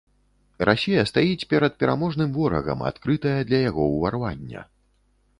Расія стаіць перад пераможным ворагам, адкрытая для яго ўварвання.